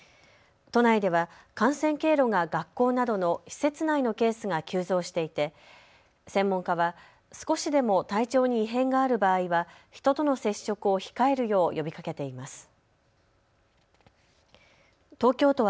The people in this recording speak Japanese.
都内では、感染経路が学校などの施設内のケースが急増していて専門家は少しでも体調に異変がある場合は人との接触を控えるよう呼びかけています。